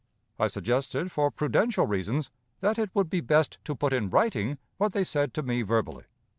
I suggested, for prudential reasons, that it would be best to put in writing what they said to me verbally.